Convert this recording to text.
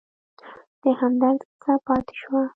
د همدرد کیسه پاتې شوه.